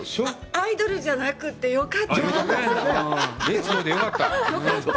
アイドルじゃなくてよかった。